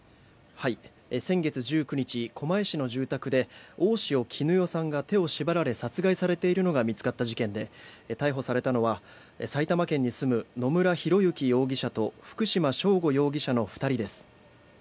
先月１９日、狛江市の住宅で大塩衣與さんが手を縛られ殺害されているのが見つかった事件で逮捕されたのは埼玉県に住む野村広之容疑者と福島聖悟容疑者の２人です。